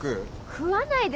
食わないでしょ。